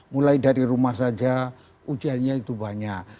mulai dari rumah saja ujiannya itu banyak